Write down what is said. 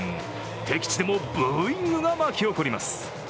敵地でもブーイングが巻き起こります。